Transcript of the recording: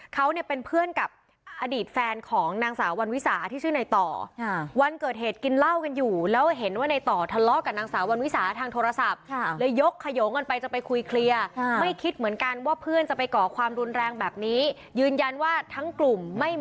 เขาเนี่ยเป็นเพื่อนกับอดีตแฟนของนางสาววันวิสาที่ชื่อนายต่ออ่า